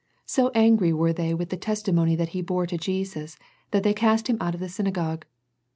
So angry were they with the testimony that he bore to Jesus, that they cast him out of the synagogue.